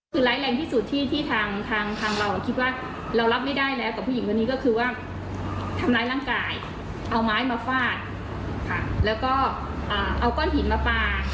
กลัวผู้หญิงคนนี้เดี๋ยวถือไม้ถือมีดมา